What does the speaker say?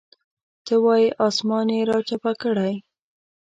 ته وایې اسمان یې راچپه کړی.